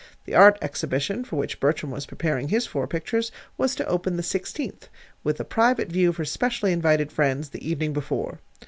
The Art Exhibition, for which Bertram was preparing his four pictures, was to open the sixteenth, with a private view for specially invited friends the evening before.